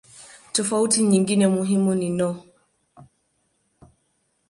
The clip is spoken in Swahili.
Tofauti nyingine muhimu ni no.